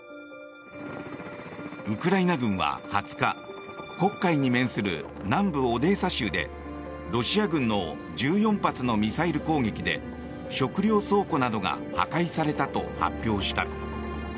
ウクライナ軍は２０日黒海に面する南部オデーサ州でロシア軍の１４発のミサイル攻撃で食糧倉庫などが破壊されたと発表した。